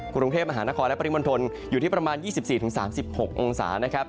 กรุงเทพมหานครและปริมณฑลอยู่ที่ประมาณ๒๔๓๖องศานะครับ